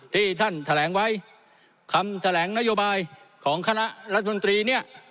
ที่ท่านแถลงไว้คำแถลงนโยบายของคณะรัฐมนตรีเนี่ย